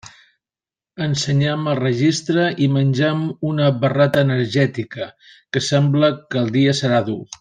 Ensenyem el registre i mengem una barreta energètica, que sembla que el dia serà dur.